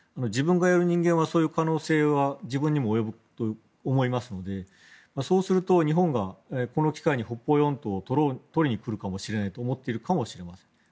自分がやる人間はそういう可能性が自分にも及ぶと思いますのでそうすると日本がこの機会に北方四島を取りに来ると思っているかもしれません。